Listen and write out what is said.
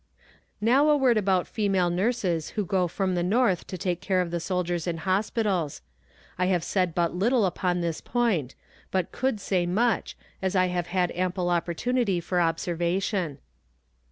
Now a word about female nurses who go from the North to take care of the soldiers in hospitals. I have said but little upon this point, but could say much, as I have had ample opportunity for observation.